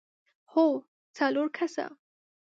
هو، څلور کسه!